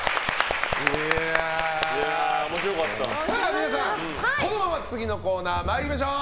皆さん、このまま次のコーナー参りましょう。